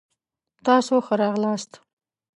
تاسو ښه راغلاست.